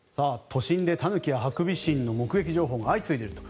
都心でタヌキやハクビシンの目撃情報が相次いでいると。